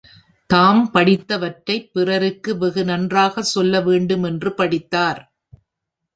தாம் படித்த வற்றைப் பிறருக்கு வெகு நன்றாகச் சொல்ல வேண்டு மென்று படித்தார்.